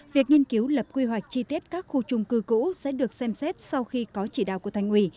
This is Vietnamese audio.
việc nghiên cứu lập quy hoạch chi tiết các khu chung cư cũ sẽ được xem xét sau khi có chỉ đạo của thanh quỷ